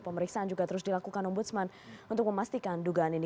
pemeriksaan juga terus dilakukan ombudsman untuk memastikan dugaan ini